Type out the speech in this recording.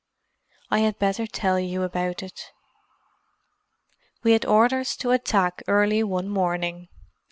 "I had better tell you about it. "We had orders to attack early one morning.